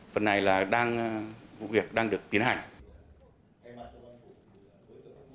phần này là vụ việc đang được tiến hành